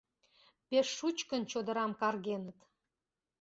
Пеш шучкын чодырам каргеныт!